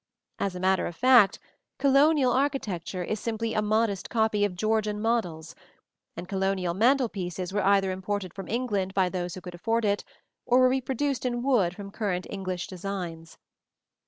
As a matter of fact, "Colonial" architecture is simply a modest copy of Georgian models; and "Colonial" mantel pieces were either imported from England by those who could afford it, or were reproduced in wood from current English designs.